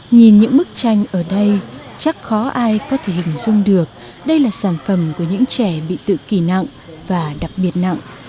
nhìn những bức tranh ở đây chắc khó ai có thể hình dung được đây là sản phẩm của những trẻ bị tự kỳ nặng và đặc biệt nặng